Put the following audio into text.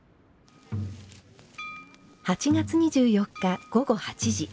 ８月２４日、午後８時。